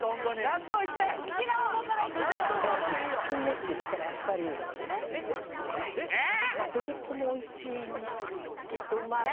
やっぱ１品目っていったらやっぱりまあベーコンもおいしいけどまあ